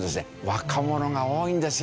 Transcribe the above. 若者が多いんですよ。